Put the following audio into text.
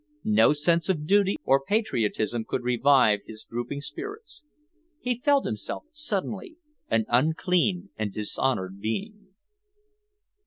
No sense of duty or patriotism could revive his drooping spirits. He felt himself suddenly an unclean and dishonoured being.